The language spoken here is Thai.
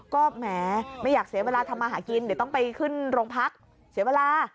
ก็แหมไม่อยากเสียเวลาทำมาหากินเดี๋ยวต้องไปขึ้นโรงพักเสียเวลา